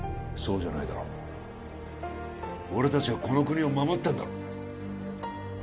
そうじゃないだろ俺達はこの国を守ってんだろ